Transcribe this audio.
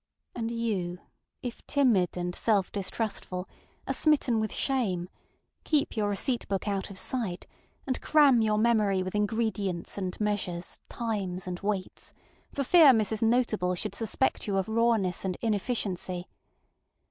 ŌĆØ And you, if timid and self distrustful, are smitten with shame, keep your receipt book out of sight, and cram your memory with ingredients and measures, times and weights, for fear Mrs. Notable should suspect you of rawness and inefficiency.